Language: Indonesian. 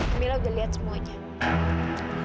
kamila udah lihat semuanya